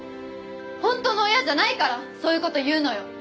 本当の親じゃないからそういう事言うのよ！